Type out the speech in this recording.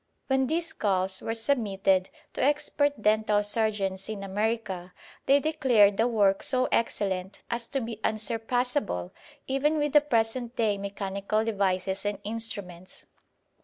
When these skulls were submitted to expert dental surgeons in America, they declared the work so excellent as to be unsurpassable even with the present day mechanical devices and instruments.